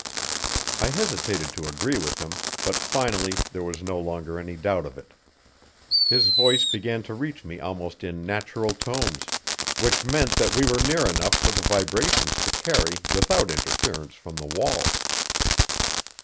I hesitated to agree with him, but finally there was no longer any doubt of it. His voice began to reach me almost in natural tones, which meant that we were near enough for the vibrations to carry without interference from the walls.